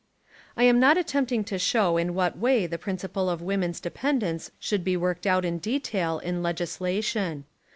I am not attempting to show in what way the principle of woman's dependence should be worked out in detail in legislation.